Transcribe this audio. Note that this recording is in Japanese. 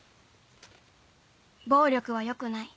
暴力は良くない。